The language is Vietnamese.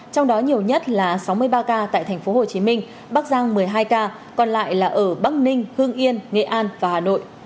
trong đó nhiều nhất là sáu mươi ba ca tại tp hcm bắc giang một mươi hai ca còn lại là ở bắc ninh hương yên nghệ an và hà nội